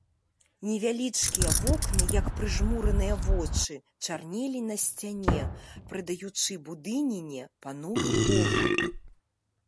Невялічкія вокны, як прыжмураныя вочы, чарнелі на сцяне, прыдаючы будыніне пануры погляд.